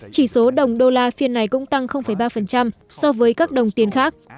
chỉ số đồng đô la phiên này cũng tăng ba so với các đồng tiền khác